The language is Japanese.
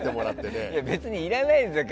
別にいらないのよ。